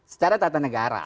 secara tata negara